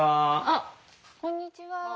あこんにちは。